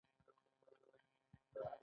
پنځه څلویښتم سوال د ارزیابۍ په اړه دی.